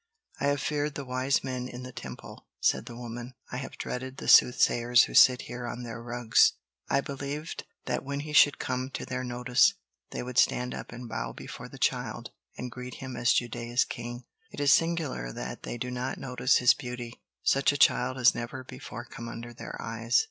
"I have feared the wise men in the Temple," said the woman. "I have dreaded the soothsayers who sit here on their rugs. I believed that when he should come to their notice, they would stand up and bow before the child, and greet him as Judea's King. It is singular that they do not notice his beauty. Such a child has never before come under their eyes."